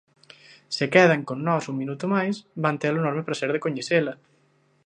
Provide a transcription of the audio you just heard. Se quedan con nós un minuto máis van ter o enorme pracer de coñecela.